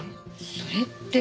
それって。